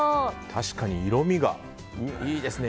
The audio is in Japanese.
確かに色味がいいですね。